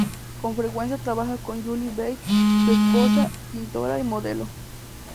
Con frecuencia trabaja con Julie Bell, su esposa, pintora y modelo.